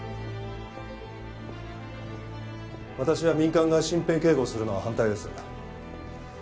私は民間が身辺警護をするのは反対です。